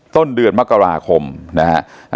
ต้นเดือนมกราคมนะฮะ